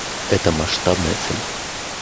Это масштабная цель.